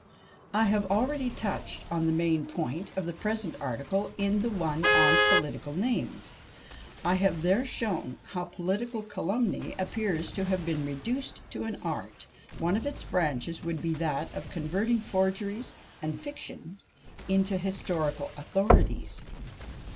I have already touched on the main point of the present article in the one on "Political Nicknames." I have there shown how political calumny appears to have been reduced into an art; one of its branches would be that of converting forgeries and fictions into historical authorities.